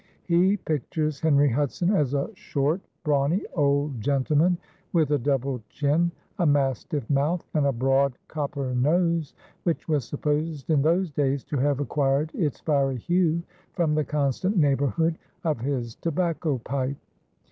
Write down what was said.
He pictures Henry Hudson as "a short, brawny old gentleman with a double chin, a mastiff mouth and a broad copper nose which was supposed in those days to have acquired its fiery hue from the constant neighborhood of his tobacco pipe.